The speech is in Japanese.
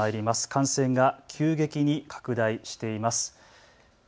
感染が急激に拡大しています。